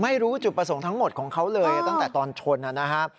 ไม่รู้จุดประสงค์ทั้งหมดของเขาเลยตั้งแต่ตอนชนนะครับ